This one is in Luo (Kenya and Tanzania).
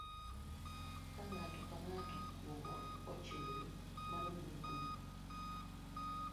Ka ng'ato ka ng'ato kuomwa ochiwore, mano biro konyowa.